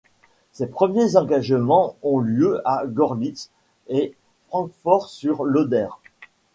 Ses premiers engagements ont lieu à Gorlitz et Francfort-sur-l'Oder.